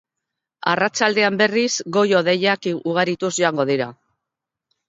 Arratsaldean, berriz, goi-hodeiak ugarituz joango dira.